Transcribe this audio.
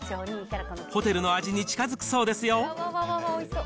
ホテルの味に近づくそうですよ。